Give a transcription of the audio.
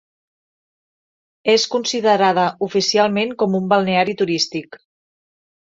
És considerada oficialment com un balneari turístic.